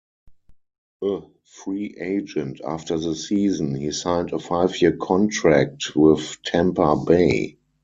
A free agent after the season, he signed a five-year contract with Tampa Bay.